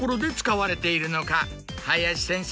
林先生